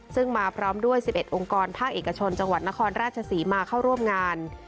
ซึ่งมาพร้อมด้วย๑๑องค์กรภาคเอกชนจังหวัดนครราชศรีมาเข้าร่วมงาน